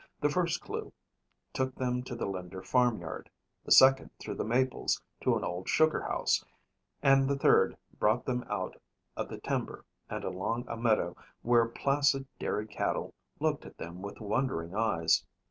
The first clue took them to the Linder farmyard, the second through the maples to an old sugarhouse, and the third brought them out of the timber and along a meadow where placid dairy cattle looked at them with wondering eyes.